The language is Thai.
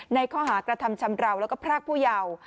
ในข้อหากฎธรรมชำราวและพรากผู้เยาว์